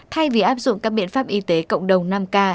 thay vì áp dụng các biện pháp y tế cộng đồng năm k